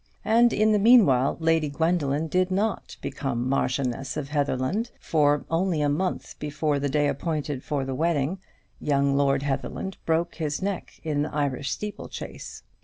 And in the meanwhile Lady Gwendoline did not become Marchioness of Heatherland; for, only a month before the day appointed for the wedding, young Lord Heatherland broke his neck in an Irish steeple chase.